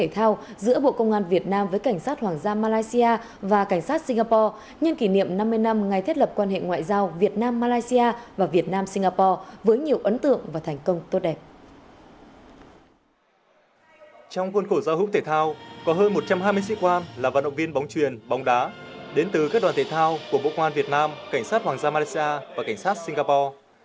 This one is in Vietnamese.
trong lúc thể thao có hơn một trăm hai mươi sĩ quan là vận động viên bóng truyền bóng đá đến từ các đoàn thể thao của bộ quan việt nam cảnh sát hoàng gia malaysia và cảnh sát singapore